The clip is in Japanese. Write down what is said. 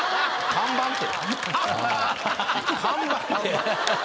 「看板」って。